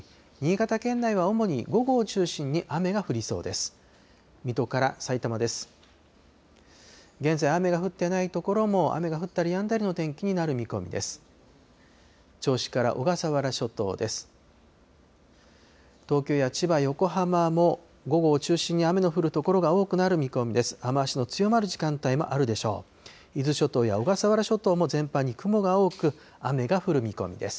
東京や千葉、横浜も午後を中心に雨の降る所が多くなる見込みです。